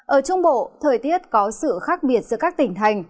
ở trung bộ thời tiết có sự khác biệt giữa các tỉnh thành